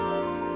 aku juga mau